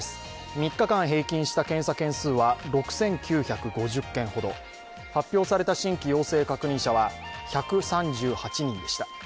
３日間平均した検査件数は６９５０件ほど、発表された新規陽性確認者は１３８人でした。